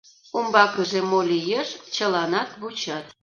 Умбакыже мо лиеш, чыланат вучат.